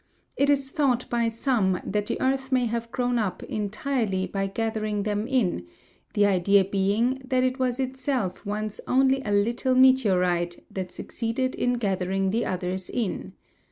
It is thought by some that the earth may have grown up entirely by gathering them in, the idea being that it was itself once only a little meteorite that succeeded in gathering the others in.